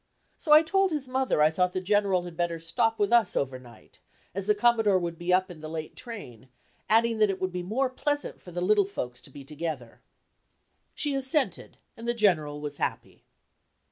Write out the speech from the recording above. So I told his mother I thought the General had better stop with us over night, as the Commodore would be up in the late train, adding that it would be more pleasant for the little folks to be together. She assented, and the General was happy.